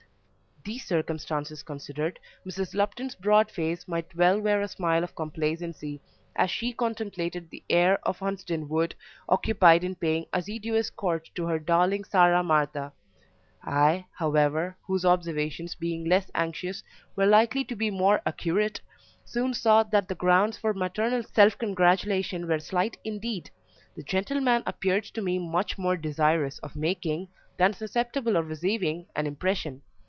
These circumstances considered, Mrs. Lupton's broad face might well wear a smile of complacency as she contemplated the heir of Hunsden Wood occupied in paying assiduous court to her darling Sarah Martha. I, however, whose observations being less anxious, were likely to be more accurate, soon saw that the grounds for maternal self congratulation were slight indeed; the gentleman appeared to me much more desirous of making, than susceptible of receiving an impression.